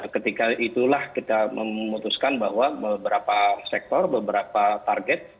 ketika itulah kita memutuskan bahwa beberapa sektor beberapa target